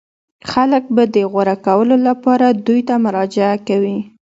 خلک به د غوره کولو لپاره دوی ته مراجعه کوي.